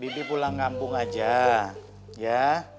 bibi pulang kampung aja ya